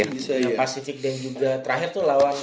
di pasifik dan juga terakhir tuh lawan